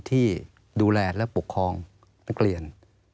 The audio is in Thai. ที่ดูแลและปกครองนักเรียน